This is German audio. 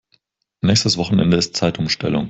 Nächstes Wochenende ist Zeitumstellung.